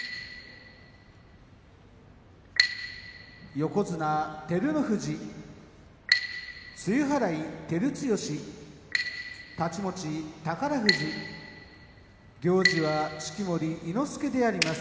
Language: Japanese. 横綱、照ノ富士露払い、照強太刀持ち、宝富士行司は式守伊之助であります。